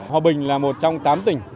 hòa bình là một trong tám tỉnh